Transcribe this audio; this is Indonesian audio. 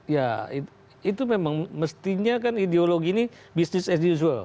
ya itu memang mestinya kan ideologi ini business as usual